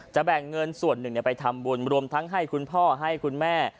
แบ่งเงินส่วนหนึ่งไปทำบุญรวมทั้งให้คุณพ่อให้คุณแม่